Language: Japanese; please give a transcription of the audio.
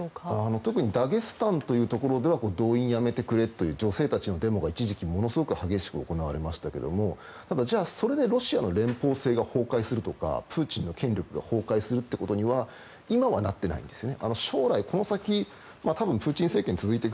特にダゲスタンというところでは動員をやめてくれという女性たちのデモが一時期ものすごく激しく行われましたがただ、それでロシアの連邦制が崩壊するとかプーチンの権力が崩壊するってことには今はなっていないんですね。